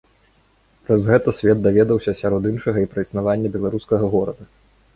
Праз гэта свет даведаўся сярод іншага і пра існаванне беларускага горада.